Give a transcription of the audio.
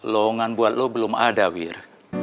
lowongan buat lo belum ada wir